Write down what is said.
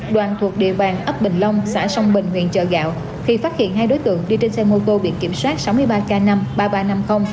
đoàn thuộc địa bàn ấp bình long xã sông bình huyện chợ gạo thì phát hiện hai đối tượng đi trên xe mô tô biển kiểm soát sáu mươi ba k năm ba nghìn ba trăm năm mươi